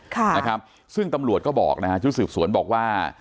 ค่ะนะครับซึ่งตำรวจก็บอกนะฮะชุดสืบสวนบอกว่า